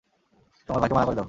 তোমার ভাইকে মানা করে দেও।